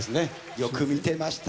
よく見てました。